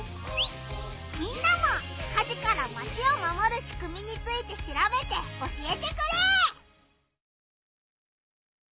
みんなも火事からマチを守るしくみについてしらべて教えてくれ！